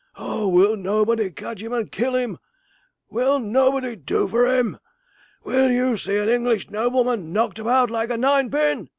Oh! will nobody catch him and kill him? Will nobody do for him? Will you see an English nobleman knocked about like a ninepin?'